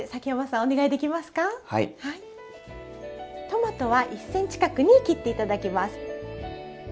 トマトは１ｃｍ角に切って頂きます。